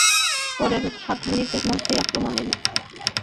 পরের সাত মিনিটের মধ্যেই আক্রমণে যেতে হবে আমাদের!